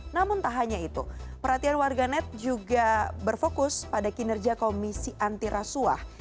namun tak hanya itu perhatian warganet juga berfokus pada kinerja komisi antirasuah